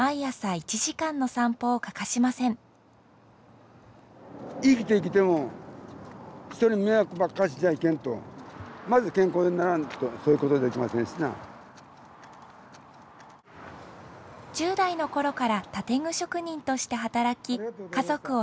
１０代の頃から建具職人として働き家族を支えてきた谷本さん。